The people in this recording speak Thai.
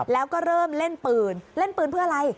แล้วก็เริ่มเล่นปืนเล่นปืนเพื่ออะไร